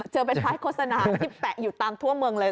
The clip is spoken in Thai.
เจอเป็นป้ายโฆษณาที่แปะอยู่ตามทั่วเมืองเลย